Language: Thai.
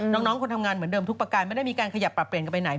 น้องคนทำงานเหมือนเดิมทุกประการไม่ได้มีการขยับปรับเปลี่ยนกันไปไหน